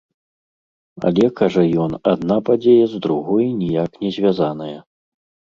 Але, кажа ён, адна падзея з другой ніяк не звязаная.